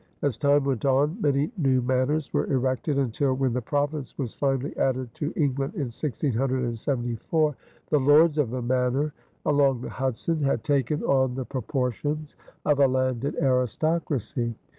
As time went on, many new manors were erected until, when the province was finally added to England in 1674, "The Lords of the Manor" along the Hudson had taken on the proportions of a landed aristocracy.